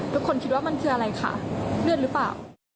ทุกคนคิดว่ามันคืออะไรค่ะเลือดหรือเปล่า